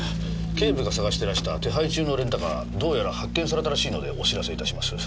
警部が捜してらした手配中のレンタカーどうやら発見されたらしいのでお知らせいたします。